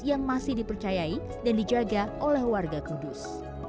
yang masih dipercayai dan dijaga oleh warga kudus